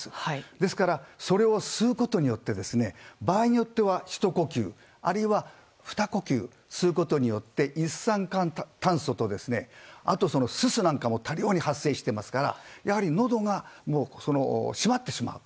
ですからそれを吸うことによって場合によってはひと呼吸あるいはふた呼吸することによって一酸化炭素とあとは、すすなんかも多量に発生してますからのどが締まってしまう。